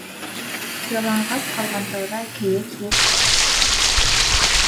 Яланғас ҡалған тауҙа кейек юҡ.